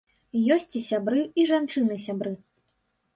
Ёсць і сябры, і жанчыны-сябры.